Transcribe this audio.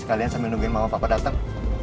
sekalian sambil nungguin mama papa datang